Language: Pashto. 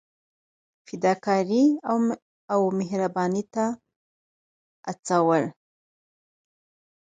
فدا کارۍ او مهربانۍ ته هڅول.